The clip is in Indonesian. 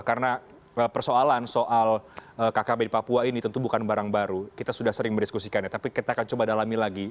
karena persoalan soal kkb di papua ini tentu bukan barang baru kita sudah sering berdiskusikan tapi kita akan coba dalami lagi